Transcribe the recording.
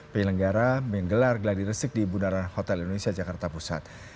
pihilenggara menggelar gelar di resik di bundaran hotel indonesia jakarta pusat